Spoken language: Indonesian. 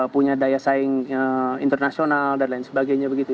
punya daya saing internasional dan lain sebagainya begitu